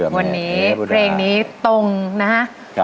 วันนี้เพลงนี้ตรงนะฮะ